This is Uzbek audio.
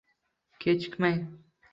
Kechikmang!